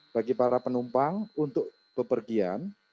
bagi para penumpang untuk bepergian